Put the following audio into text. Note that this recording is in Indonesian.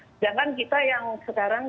sedangkan kita yang sekarang